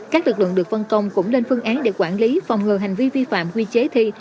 các lực lượng được phân công cũng lên phương án để quản lý phòng ngừa hành vi vi phạm quy chế thi